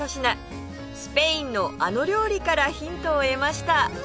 スペインのあの料理からヒントを得ました